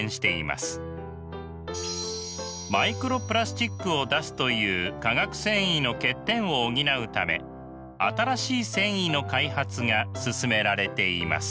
マイクロプラスチックを出すという化学繊維の欠点を補うため新しい繊維の開発が進められています。